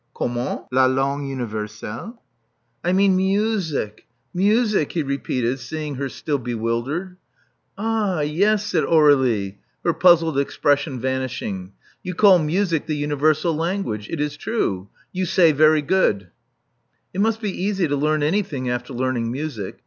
Comment? La langue universelle?" I mean music. Music!" he repeated, seeing her still bewildered. Ah, yes," said Aur^lie, her puzzled expression vanishing. You call music the universal language. It is true. You say very goodh." It must be easy to learn anything after learning music.